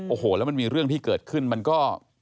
โอ้โหแล้วมันมีเรื่องที่เกิดขึ้นมันก็